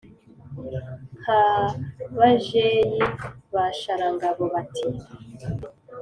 nka bajeyi ba sharangabo bati: